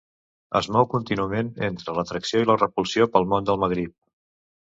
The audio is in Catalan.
Es mou contínuament entre l'atracció i la repulsió pel món del Magrib.